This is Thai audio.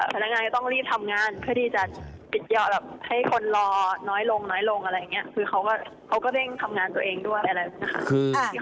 พนักงานก็ต้องรีบทำงานเพื่อที่จะปิดเยาะแบบให้คนรอน้อยลงอะไรอย่างเงี้ย